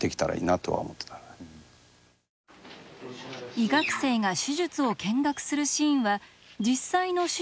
医学生が手術を見学するシーンは実際の手術の現場で撮影しました。